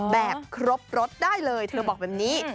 แบบครบรสได้เลยเธอบอกแบบนี้